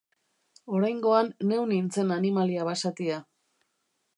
Oraingoan neu nintzen animalia basatia.